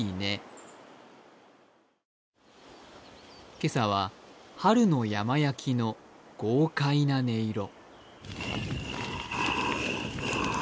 今朝は春の山焼きの豪快な音色。